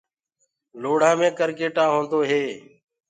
لوڙهآ مي ڪرگيٽآ هوندو هي۔